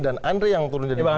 dan andri yang turun jadi